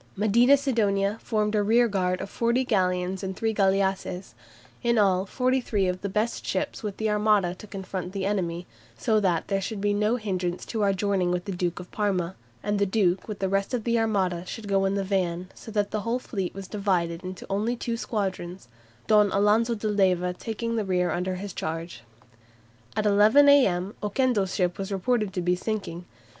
Medina Sidonia formed a rearguard of forty galleons and three galleasses, "in all 43 of the best ships of the Armada to confront the enemy, so that there should be no hindrance to our joining with the Duke of Parma; and the Duke with the rest of the Armada should go in the van, so that the whole fleet was divided into only two squadrons, Don Alonso de Leyva taking the rear under his charge." At 11 a.m. Oquendo's ship was reported to be sinking.